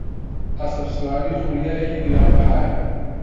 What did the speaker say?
ئەسپسواری خولیایەکی گرانبەهایە.